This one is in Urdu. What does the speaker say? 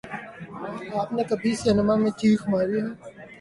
آپ نے کبھی سنیما میں چیخ ماری ہے